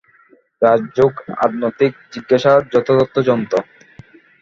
রাজযোগ আধ্যাত্মিক জিজ্ঞাসার যথার্থ যন্ত্র।